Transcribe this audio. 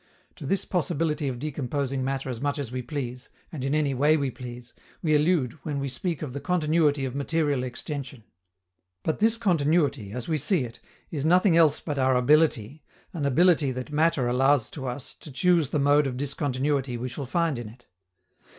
To this possibility of decomposing matter as much as we please, and in any way we please, we allude when we speak of the continuity of material extension; but this continuity, as we see it, is nothing else but our ability, an ability that matter allows to us to choose the mode of discontinuity we shall find in it.